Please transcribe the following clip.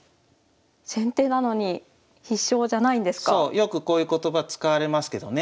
よくこういう言葉使われますけどね